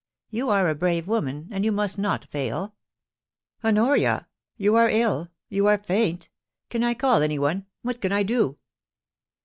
You are a brave woman, and you must not fail. ... Honoria ! you are ill — you are faint ! Can I call anyone ?— what can I do